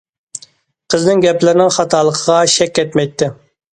قىزنىڭ گەپلىرىنىڭ خاتالىقىغا شەك كەتمەيتتى.